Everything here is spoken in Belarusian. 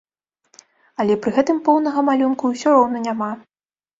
Але пры гэтым поўнага малюнку ўсё роўна няма.